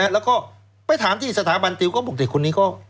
แล้วก็ไปถามที่สถาบันติวก็บุกเด็กคนนี้ก็